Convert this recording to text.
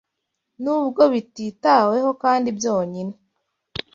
nubwo bititaweho kandi byonyine: